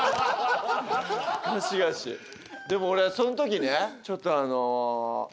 でも俺そん時ねちょっと。